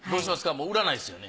もう売らないですよね？